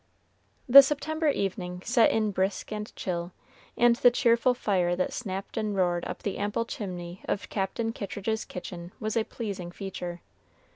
The September evening set in brisk and chill, and the cheerful fire that snapped and roared up the ample chimney of Captain Kittridge's kitchen was a pleasing feature.